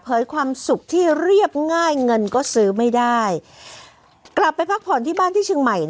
ความสุขที่เรียบง่ายเงินก็ซื้อไม่ได้กลับไปพักผ่อนที่บ้านที่เชียงใหม่